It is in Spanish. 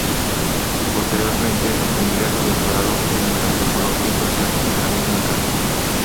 Posteriormente obtendría su doctorado en antropología social en esa misma casa.